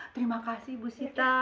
terima kasih ibu sita